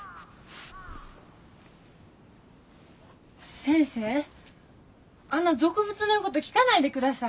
先生あんな俗物の言うこと聞かないでください。